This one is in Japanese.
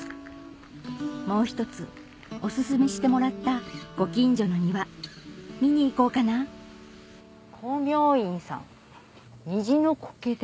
もう一つオススメしてもらったご近所の庭見に行こうかな光明院さん。